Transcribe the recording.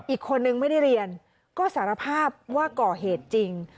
อีกคนนึงไม่ได้เรียนก็สารภาพว่าก่อเหตุจริง